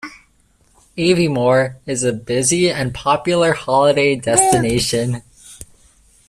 Aviemore is a busy and popular holiday destination.